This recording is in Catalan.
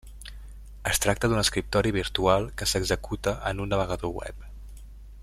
Es tracta d'un escriptori virtual que s'executa en un navegador web.